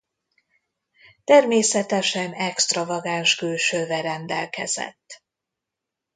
Természetesen extravagáns külsővel rendelkezett.